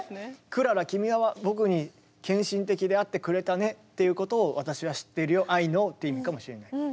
クララ君は僕に献身的であってくれたねっていうことを私は知っているよ「Ｉｋｎｏｗ」って意味かもしれない。